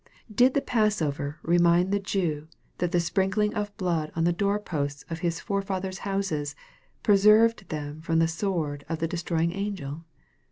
Did the passover remind the Jew that the sprinkling of blood on the door posts of his forefathers' houses, preserved them from the sword of the destroying angel